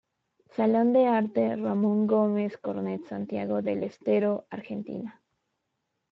Salón de arte Ramón Gómez Cornet Santiago del Estero, Argentina.